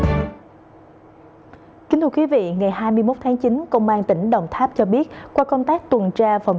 kính thưa quý vị ngày hai mươi một tháng chín công an tỉnh đồng tháp cho biết qua công tác tuần tra phòng